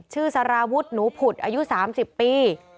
ชื่อสระวุดหนูผุดอายุ๓๐ปี